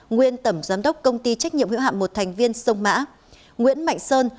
nguyên tổng giám đốc công ty trách nhiệm hữu hạm một thành viên sông mã nguyễn mạnh sơn